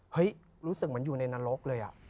รู้สึกเหมือนอยู่ในนรกเลย